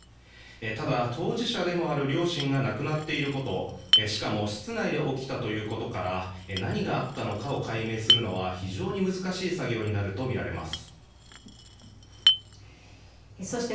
ただ、当事者でもある両親が亡くなっていることしかも室内で起きたということから何があったのかを解明するのは非常に難しい作業になるとみられます。